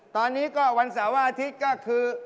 ตอนนี้วันสาวหาอาทิตย์ก็คือ